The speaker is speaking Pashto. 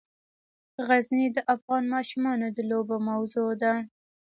غزني د افغان ماشومانو د لوبو موضوع ده.